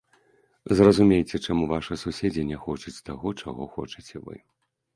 Зразумейце, чаму вашы суседзі не хочуць таго, чаго хочаце вы.